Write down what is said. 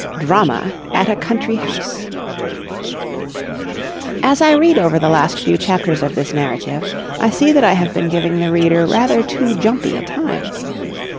DRAMA AT A COUNTRY HOUSE As I read over the last few chapters of this narrative, I see that I have been giving the reader rather too jumpy a time.